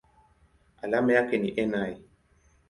Alama yake ni Ni.